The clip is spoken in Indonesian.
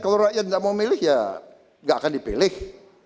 kalau rakyat tidak mau memilih ya tidak akan dipilih